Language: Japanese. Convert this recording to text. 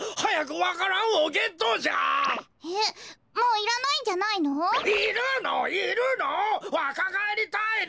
わかがえりたいの！